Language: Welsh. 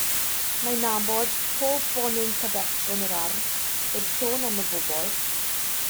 Mae'n nabod pob bonyn cabaets yn yr ardd, heb sôn am y bobl.